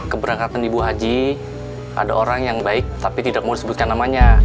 keberangkatan ibu haji ada orang yang baik tapi tidak mau disebutkan namanya